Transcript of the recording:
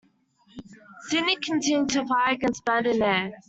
"Sydney" continued to fire against "Bande Nere".